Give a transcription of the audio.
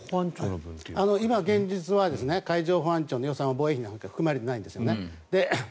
今、現実は海上保安庁の予算は防衛費に含まれていないんです。